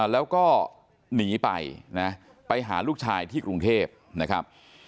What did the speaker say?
แล้วก็หนีไปนะไปหาลูกชายที่กรุงเทพนะครับ